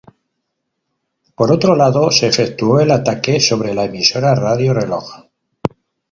Por otro lado, se efectuó el ataque sobre la emisora Radio Reloj.